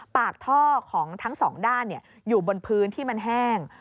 ปากท่อของทั้งสองด้านอยู่บนพื้นที่มันแห้ง